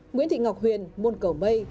nguyễn thị ngọc huyền môn cổ mây